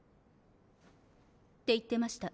っていってました。